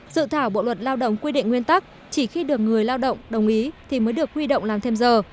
dự thảo bộ luật lao động quy định nguyên tắc chỉ khi được người lao động đồng ý thì mới được huy động làm thêm giờ